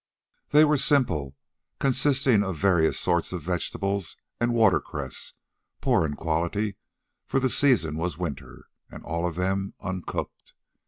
They were simple, consisting of various sorts of vegetables and watercress—poor in quality, for the season was winter, and all of them uncooked.